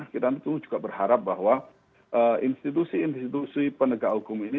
kita tentu juga berharap bahwa institusi institusi penegak hukum ini